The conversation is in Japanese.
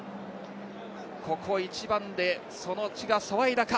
ここ一番で、その血が騒いだか。